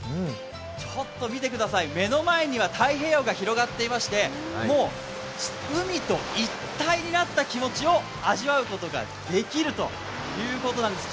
ちょっと見てください、目の前には太平洋が広がっていましてもう海と一体になった気持ちを味わうことができるということです。